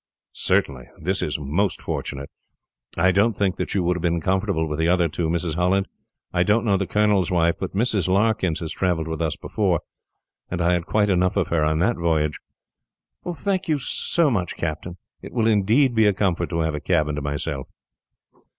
"Certainly. This is most fortunate. "I don't think that you would have been comfortable, with the other two, Mrs. Holland. I don't know the colonel's wife, but Mrs. Larkins has travelled with us before, and I had quite enough of her on that voyage." "Thank you very much, Captain. It will indeed be a comfort to have a cabin to myself."